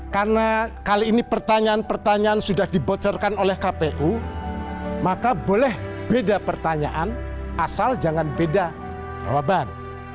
karena kali ini pertanyaan pertanyaan sudah dibocorkan oleh kpu maka boleh beda pertanyaan asal jangan beda jawaban